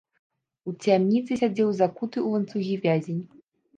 У цямніцы сядзеў закуты ў ланцугі вязень.